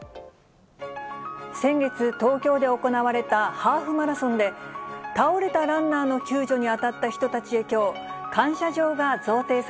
先月、東京で行われたハーフマラソンで、倒れたランナーの救助に当たった人たちへ、きょう、感謝状が贈呈